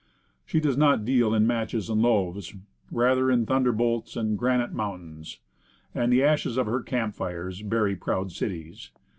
She does not deal in matches and loaves; rather in thunderbolts and granite mountains. And the ashes of her camp fires bury proud cities.